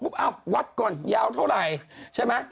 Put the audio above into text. เอ้าวัดก่อนยาวเท่าไหร่ใช่ไหม